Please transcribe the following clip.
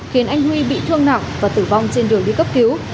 khiến anh huy bị thương nặng và tử vong trên đường đi cấp cứu